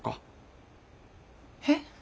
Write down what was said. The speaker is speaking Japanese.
えっ？